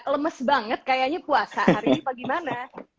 lemes banget kayaknya puasa hari ini apa gimana